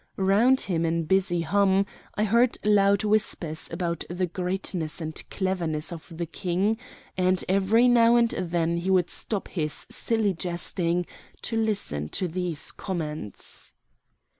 Round him in busy hum I heard loud whispers about the greatness and cleverness of the King, and every now and then he would stop his silly jesting to listen to these comments.